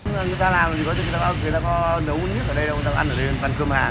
người ta làm thì người ta có nấu nước ở đây đâu người ta có ăn ở đây bán cơm hàn